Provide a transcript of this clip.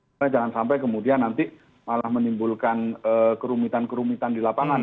karena jangan sampai kemudian nanti malah menimbulkan kerumitan kerumitan di lapangan